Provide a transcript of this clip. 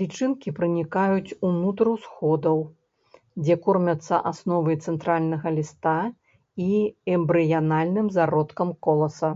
Лічынкі пранікаюць унутр усходаў, дзе кормяцца асновай цэнтральнага ліста і эмбрыянальным зародкам коласа.